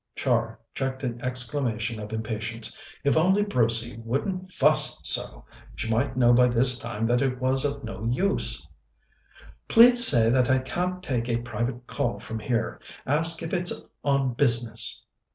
Char checked an exclamation of impatience. If only Brucey wouldn't fuss so! She might know by this time that it was of no use. "Please say that I can't take a private call from here. Ask if it's on business."